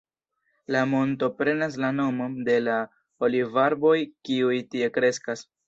La monto prenas la nomon de la olivarboj kiuj tie kreskas.